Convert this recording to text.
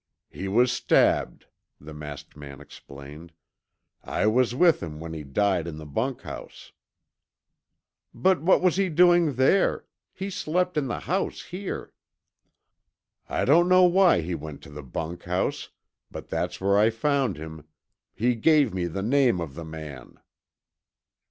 "He was stabbed," the masked man explained. "I was with him when he died in the bunkhouse." "But what was he doing there? He slept in the house here." "I don't know why he went to the bunkhouse, but that's where I found him. He gave me the name of the man."